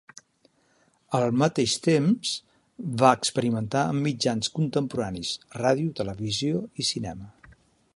Al mateix temps, va experimentar amb mitjans contemporanis: ràdio, televisió i cinema.